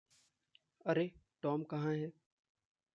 अरे, टॉम कहाँ है?